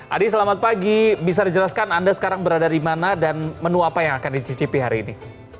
adi selamat pagi bisa dijelaskan anda sekarang berada di mana dan menu apa yang akan dicicipi hari ini